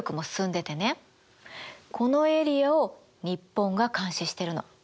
このエリアを日本が監視してるの。